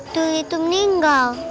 tuyul itu meninggal